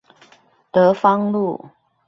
德芳路